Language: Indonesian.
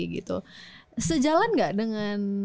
gitu sejalan gak dengan